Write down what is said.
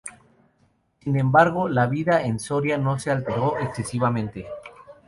Sin embargo, la vida en Soria no se alteró excesivamente.